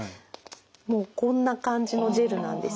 もうこんな感じのジェルなんです。